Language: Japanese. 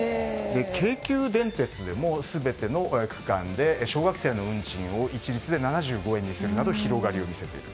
京急電鉄でも全ての区間で小学生の運賃を一律で７５円にするなど広がりを見せている。